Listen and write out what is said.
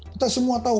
kita semua tahu